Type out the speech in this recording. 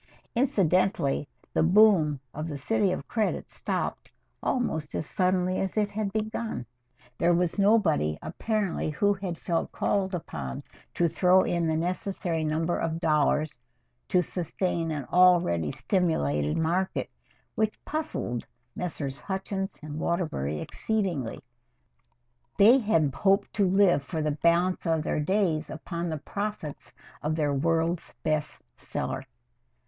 Incidentally the boom in "The City of Credit" stopped almost as suddenly as it had begun. There was nobody apparently who felt called upon to throw in the necessary number of dollars to sustain an already over stimulated market, which puzzled Messrs. Hutchins & Waterbury exceedingly. They had hoped to live for the balance of their days upon the profits of their World's Best Seller.